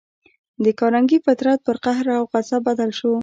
د کارنګي فطرت پر قهر او غضب بدل شو